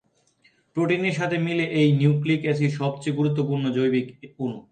প্রোটিনের সাথে মিলে এই নিউক্লিক এসিড সবচেয়ে গুরুত্বপূর্ণ জৈবিক অণু।